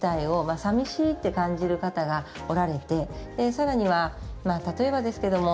さらには例えばですけれども